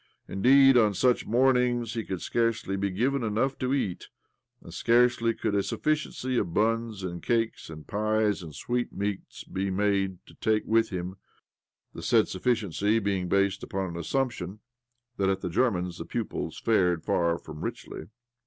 Indeed, on such mornings he could scarcely be given enough to eat, and scarcely could a suffi ciency of buns and cakes and pies and sweet meats be made to take with him (the said sufficiency being based upon an assumption that at the German's the pupils fared far from richly).